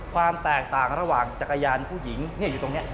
ความแตกต่างระหว่างจักรยานผู้หญิงอยู่ตรงนี้